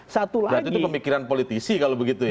satu lagi berarti itu pemikiran politisi kalau begitu ya